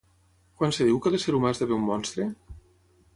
Quan es diu que l'ésser humà esdevé un monstre?